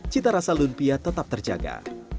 cita rasa lumpia tetap terjaga